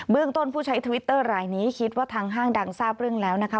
เรื่องต้นผู้ใช้ทวิตเตอร์รายนี้คิดว่าทางห้างดังทราบเรื่องแล้วนะคะ